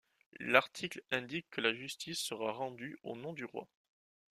L'article indique que la justice sera rendue au nom du roi.